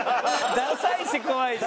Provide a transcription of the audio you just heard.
ダサいし怖いし。